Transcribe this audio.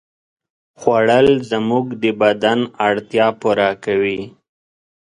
خوړل زموږ د بدن اړتیا پوره کوي